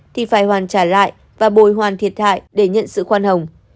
thì phải hoàn trả lại và bồi hoàn thiệt hại để nhận sự khoan hồng